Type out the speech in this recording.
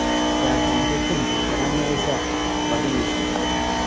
Byagombye kumvikana neza kubabizi.